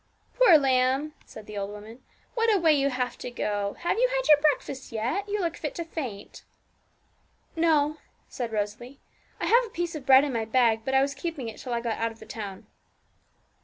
'Poor lamb!' said the old woman; 'what a way you have to go! Have you had your breakfast yet? You look fit to faint.' 'No,' said Rosalie; 'I have a piece of bread in my bag, but I was keeping it till I got out of the town.'